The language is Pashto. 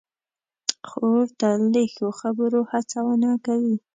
خور تل د ښو خبرو هڅونه کوي.